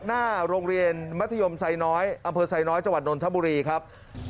หน้าโรงเรียนมัธยมไซน้อยอำเภอไซน้อยจังหวัดนนทบุรีครับ